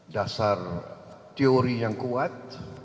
dasar teori yang kuat